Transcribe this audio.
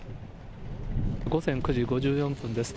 午前９時５４分です。